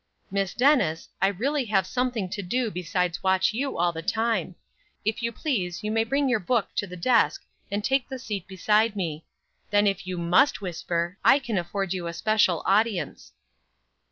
"Miss Dennis, I really have something to do besides watch you all the time. If you please you may bring your book to the desk and take the seat beside me; then if you must whisper, I can afford you a special audience."